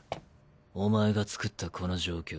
おまえが作ったこの状況